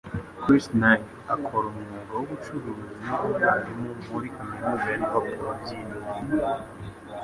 Chris Knight: akora umwuga w'ubucuzi n'umwarimu muri kaminuza ya Liverpool Byiringiro.